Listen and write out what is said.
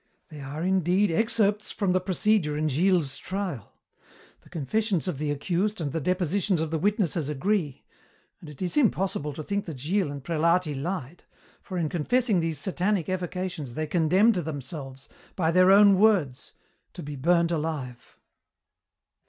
They are, indeed, excerpts from the procedure in Gilles's trial. The confessions of the accused and the depositions of the witnesses agree, and it is impossible to think that Gilles and Prelati lied, for in confessing these Satanic evocations they condemned themselves, by their own words, to be burned alive.